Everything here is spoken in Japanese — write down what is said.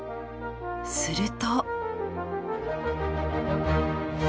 すると。